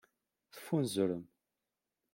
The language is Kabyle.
Teffunzrem.